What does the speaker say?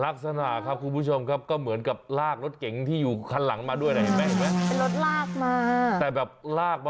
ลักษณะครับคุณผู้ชมครับก็เหมือนกับลากรถเก๋งที่อยู่คันหลังมาด้วยนะเห็นไหม